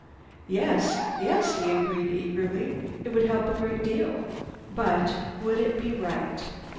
"Yes, yes," he agreed eagerly. "It would help a great deal!" "But would it be right?"